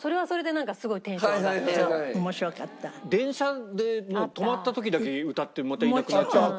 電車で止まった時だけ歌ってまたいなくなっちゃうとか。